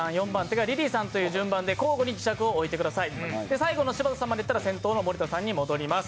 最後の柴田さんまで行ったら先頭の森田さんに戻ります。